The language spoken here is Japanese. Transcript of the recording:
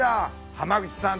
濱口さん